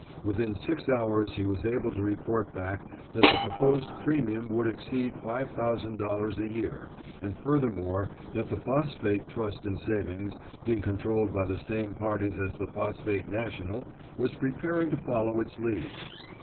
Within six hours he was able to report back that the proposed premium would exceed five thousand dollars a year, and furthermore that the Phosphate Trust & Savings, being controlled by the same parties as the Phosphate National, was preparing to follow its lead.